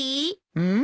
うん？